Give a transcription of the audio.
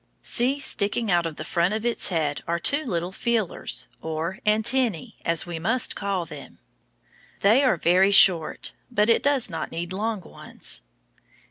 See, sticking out of the front of its head are two little feelers, or antennæ, as we must call them. They are very short, but it does not need long ones.